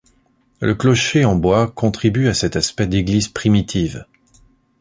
Le clocher en bois contribue à cet aspect d'église primitive.